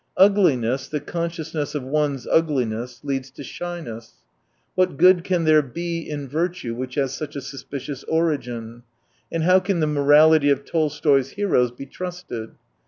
Ugliness, the conscious ness of one's ugliness, leads to shyness ! What good can there be in virtue which has such a suspicious origin ? And how can the morality of Tolstoy's heroes be trusted